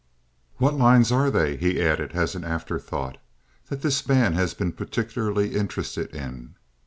What lines are they," he added, as an afterthought, "that this man has been particularly interested in?"